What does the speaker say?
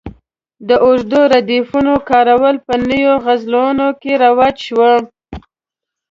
د اوږدو ردیفونو کارول په نویو غزلونو کې رواج شوي.